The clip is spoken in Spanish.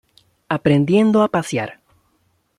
Aprendiendo a pasear".